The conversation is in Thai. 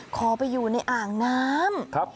ขอไปอยู่ในอ่างน้ำ